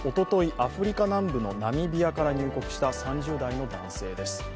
アフリカ南部のナミビアから入国した３０代の男性です。